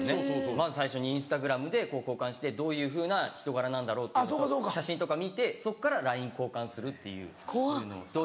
まず最初にインスタグラムで交換してどういうふうな人柄なんだろうって写真とか見てそっからＬＩＮＥ交換するっていう。